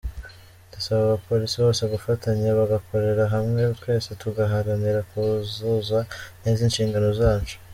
Ndasaba abapolisi bose gufatanya bagakorera hamwe twese tugaharanira kuzuza neza inshingano zacu.